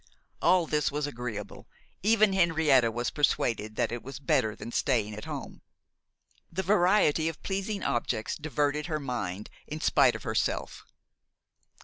All this was agreeable; even Henrietta was persuaded that it was better than staying at home. The variety of pleasing objects diverted her mind in spite of herself.